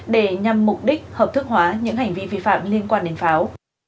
để nhằm mục đích hợp thức hóa những hành vi vi phạm liên quan đến pháo